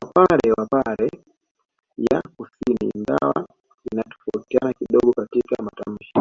Wapare wa pare ya kusini ingawa inatofautiana kidogo katika matamshi